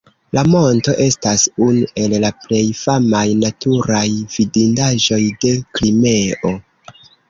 La monto estas unu el la plej famaj naturaj vidindaĵoj de Krimeo.